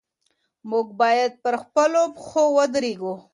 موږ بايد پر خپلو پښو ودرېږو.